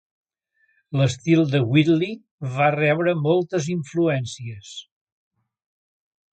L'estil de Whitley va rebre moltes influències.